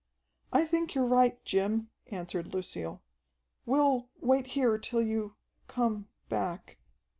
"I think you're right, Jim," answered Lucille. "We'll wait here till you come back."